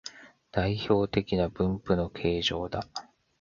代表的な分布の形状だ